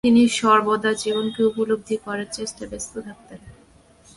তিনি সর্বদা জীবনকে উপলব্ধি করার চেষ্টায় ব্যস্ত থাকতেন।